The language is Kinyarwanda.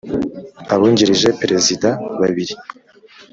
Abungirije Perezida babiri